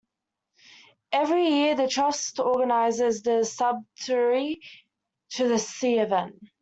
Every year the Trust organises the Sudbury to the Sea event.